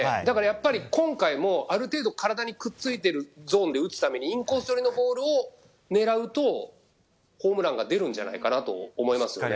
今回もある程度体にくっついているゾーンで打つためにインコース寄りのボールを狙うとホームランが出るんじゃないかなと思います。